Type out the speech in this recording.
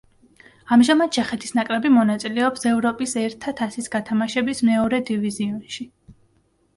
ამჟამად ჩეხეთის ნაკრები მონაწილეობს ევროპის ერთა თასის გათამაშების მეორე დივიზიონში.